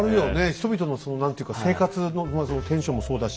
人々の何ていうか生活のテンションもそうだし。